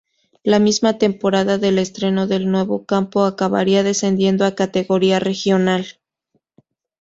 La misma temporada del estreno del nuevo campo acabaría descendiendo a categoría regional.